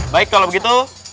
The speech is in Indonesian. baik kalau begitu